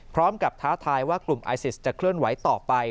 ท้าทายว่ากลุ่มไอซิสจะเคลื่อนไหวต่อไป